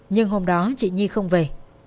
nhưng hôm đó chị nhi không về